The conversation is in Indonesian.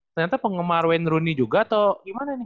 ternyata penggemar wayne rooney juga atau gimana nih